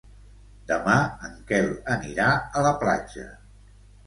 Demà en Quel anirà a la platja.